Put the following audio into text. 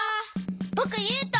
ぼくゆうと。